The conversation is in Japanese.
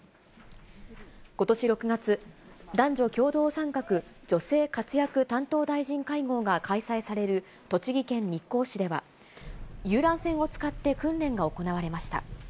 ことし６月、男女共同参画・女性活躍担当大臣会合が開催される栃木県日光市では、遊覧船を使って訓練が行われました。